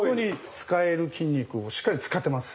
使える筋肉をしっかり使ってます。